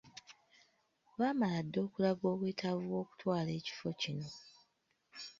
Baamala dda okulaga obwetaavu bw’okutwala ekifo kino.